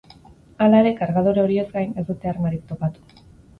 Hala ere, kargadore horiez gain ez dute armarik topatu.